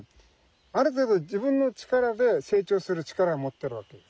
ある程度自分の力で成長する力を持ってるわけです。